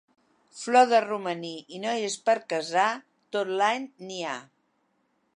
Flor de romaní i noies per casar, tot l'any n'hi ha.